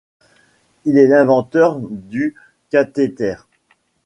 Il est l'inventeur du cathéter.